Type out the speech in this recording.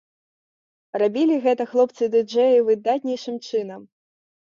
Рабілі гэта хлопцы-дыджэі выдатнейшым чынам.